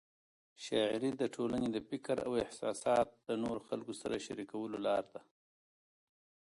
شاعري د ټولنې د فکر او احساسات د نورو خلکو سره شریکولو لار ده.